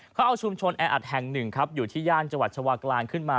เขาเอาชุมชนแออัดแห่งหนึ่งครับอยู่ที่ย่านจังหวัดชาวากลางขึ้นมา